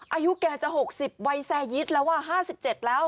อายุแกจะ๖๐วัยแซยิตแล้ว๕๗แล้ว